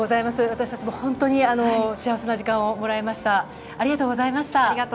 私たちも本当に幸せな時間をもらいました。